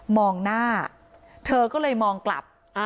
มองหน้าเธอก็เลยมองกลับ